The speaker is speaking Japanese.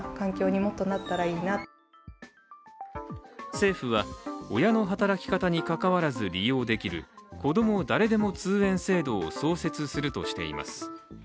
政府は、親の働き方にかかわらず利用できるこども誰でも通園制度を創設するとしています。